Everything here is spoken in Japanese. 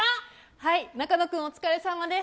はい、中野君お疲れさまです。